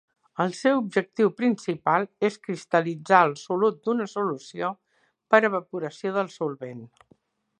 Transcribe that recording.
El seu objectiu principal és cristal·litzar el solut d'una solució, per evaporació del solvent.